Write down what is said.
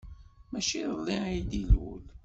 Maci iḍelli ay d-ilul.